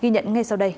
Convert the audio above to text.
ghi nhận ngay sau đây